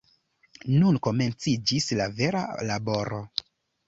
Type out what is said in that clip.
Nun komenciĝis la vera laboro!